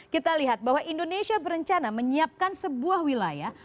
kita lihat bahwa indonesia berencana menyiapkan sebuah wilayah